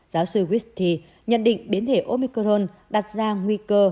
giáo sư whitty nhận định biến thể omicron đặt ra nguy cơ